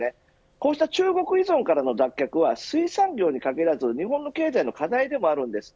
こうした中国依存からの脱却は水産業に限らず日本の経済の課題でもあるんです。